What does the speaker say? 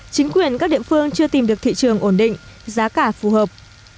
chính quyền các địa phương chưa tìm được thị trường ổn định giá cả phù hợp